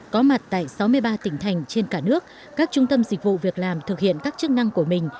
có mặt tại sáu mươi ba tỉnh thành trên cả nước các trung tâm dịch vụ việc làm thực hiện các chức năng của mình